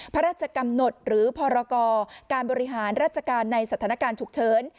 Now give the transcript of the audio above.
พระราชกำหนดหรือพรกรการบริหารราชการในสถานการณ์ฉุกเฉิน